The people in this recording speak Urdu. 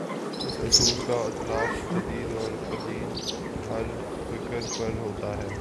اس اصول کا اطلاق جدید اور قدیم، ہر فکرپر ہوتا ہے۔